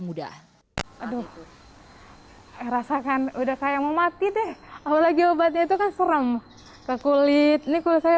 mudah aduh rasakan udah saya mau mati deh apalagi obatnya itu kan serem ke kulit ini kalau saya